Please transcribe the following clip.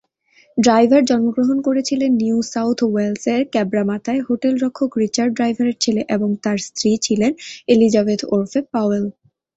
Driver জন্মগ্রহণ করেছিলেন New South ওয়েলসের ক্যাব্রামাতায়, হোটেল-রক্ষক রিচার্ড ড্রাইভারের ছেলে এবং তার স্ত্রী ছিলেন এলিজাবেথ ওরফে পাওয়েল।